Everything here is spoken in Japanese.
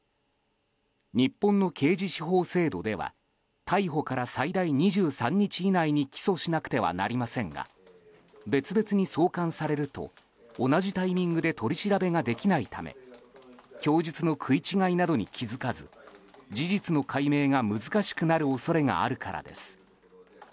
日本の刑事司法制度では逮捕から最大２３日以内に起訴しなくてはなりませんが別々に送還されると同じタイミングで取り調べができないため供述の食い違いなどに気づかず事実の解明が難しくなる恐れがあるからです。